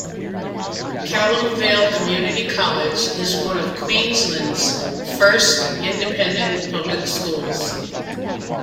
Calamvale Community College is one of Queensland's first Independent Public Schools.